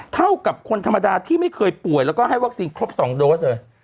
เท่ากับคนธรรมดาที่ไม่เคยป่วยแล้วก็ให้วัคซีนครบ๒โดสเลย